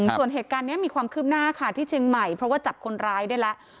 ส่วนเหตุการณ์นี้มีความคืบหน้าค่ะที่เชียงใหม่เพราะว่าจับคนร้ายได้แล้ว